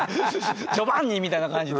「ジョバンニ！」みたいな感じで。